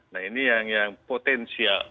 nah ini yang potensial